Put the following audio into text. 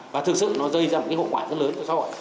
và thực sự nó rơi ra một cái hộ quả rất lớn